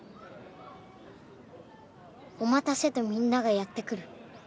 「お待たせ」とみんながやって来る